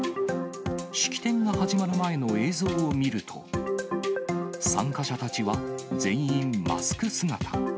式典が始まる前の映像を見ると、参加者たちは全員マスク姿。